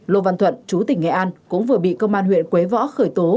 lô văn thuận chú tỉnh nghệ an cũng vừa bị công an huyện quế võ khởi tố